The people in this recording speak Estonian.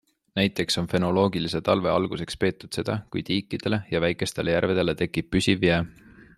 Näiteks on fenoloogilise talve alguseks peetud seda, kui tiikidele ja väikestele järvedele tekib püsiv jää.